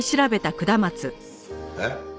えっ？